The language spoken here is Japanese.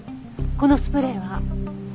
このスプレーは？